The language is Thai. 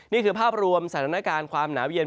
นี่คือภาพรวมสถานการณ์ความหนาวเย็น